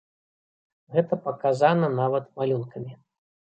Гэта паказана нават малюнкамі.